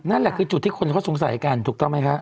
นั่นแหละคือจุดที่คนเขาสงสัยกันถูกต้องไหมคะ